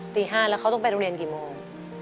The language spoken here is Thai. ตี๕แล้วเขาต้องไปโรงเรียนกี่โมง